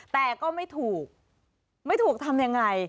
แต่ก็ไม่ถูกไม่ถูกทำยังไง